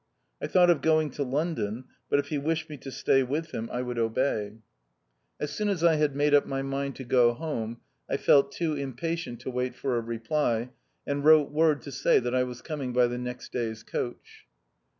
I thought of going to London ; but if he wished me to stay with him. I would obey. t 3 2 THE OUTCAST. As soon as I had made up my mind to go home, I felt too impatient to wait for a reply, and wrote word to say that I was coming by the next day's coach.